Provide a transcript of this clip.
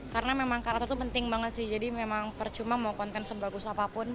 karena memang karakter itu penting banget sih jadi memang percuma mau konten sebagus apapun